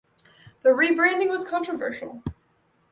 The rebranding was controversial.